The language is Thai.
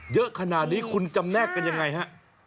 เยอะขนาดนี้คุณจำแนกกันยังไงฮะ